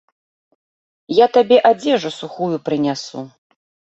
Я табе адзежу сухую прынясу.